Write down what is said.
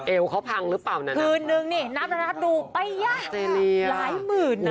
เอวเขาพังหรือเปล่านะนะคืนนึงนี่นับดูไปยะหลายหมื่นนะ